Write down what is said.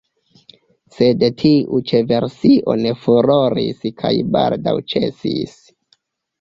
Sed tiu ĉi versio ne furoris kaj baldaŭ ĉesis.